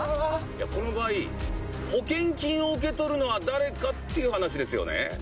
この場合、保険金を受け取るのが誰かっていうことですよね。